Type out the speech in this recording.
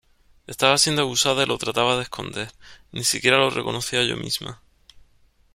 Estaba siendo abusada y lo trataba de esconder; ni siquiera lo reconocía yo misma.